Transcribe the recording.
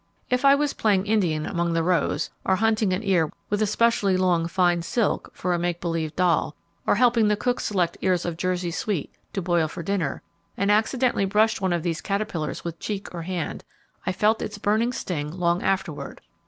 If I was playing Indian among the rows, or hunting an ear with especially long, fine 'silk' for a make believe doll, or helping the cook select ears of Jersey Sweet to boil for dinner, and accidentally brushed one of these caterpillars with cheek or hand, I felt its burning sting long afterward.